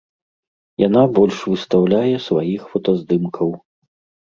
Яна больш выстаўляе сваіх фотаздымкаў.